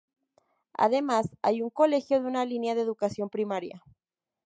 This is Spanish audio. Además hay un colegio de una línea de educación primaria.